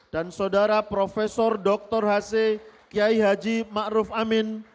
dan saudara profesor dr h c kiai haji ma'ruf amin